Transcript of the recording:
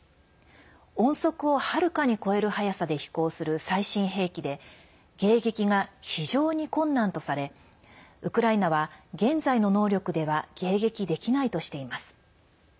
音速を、はるかに超える速さで飛行する最新兵器で迎撃が非常に困難とされウクライナは、現在の能力では迎撃できないとしています。